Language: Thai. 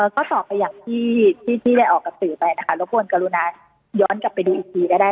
ก็สอบไปอย่างที่ได้ออกกับสื่อไปนะคะรบกวนกรุณาย้อนกลับไปดูอีกทีก็ได้